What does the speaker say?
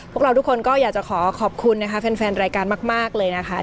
พวกเราทุกคนก็อยากจะขอขอบคุณนะคะแฟนรายการมากเลยนะคะ